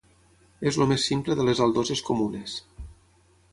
És el més simple de les aldoses comunes.